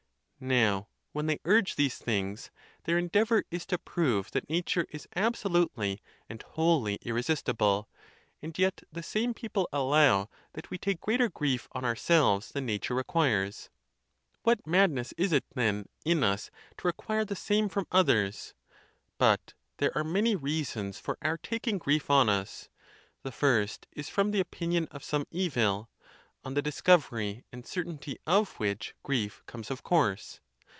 Now, when they urge these things, their endeavor is to prove that nature is absolutely and wholly irresistible ; and yet the same people allow that we take greater grief on ourselves than nature requires. What madness is it, then, in us to require the same from others? But there are many reasons for our taking grief on us. The first is from the opinion of some evil, on the discovery and cer tainty of which grief comes of course.